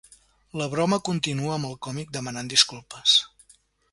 La broma continua amb el còmic demanant disculpes.